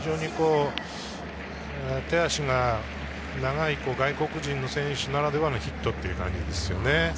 手足が長い外国人選手ならではのヒットという感じですね。